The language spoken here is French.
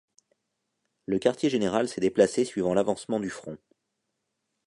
Le Quartier Général s'est déplacé suivant l'avancement du front.